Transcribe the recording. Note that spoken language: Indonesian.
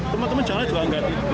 teman teman jalannya juga enggak